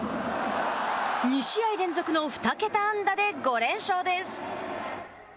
２試合連続の２桁安打で５連勝です。